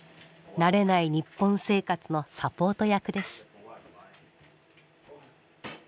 慣れない日本生活のサポート役です。